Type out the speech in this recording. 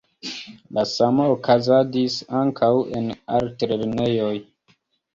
La samo okazadis ankaŭ en altlernejoj.